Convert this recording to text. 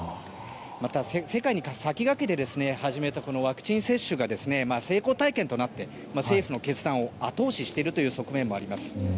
また、世界に先駆けて始めたこのワクチン接種が成功体験となって政府の決断を後押ししている側面もあります。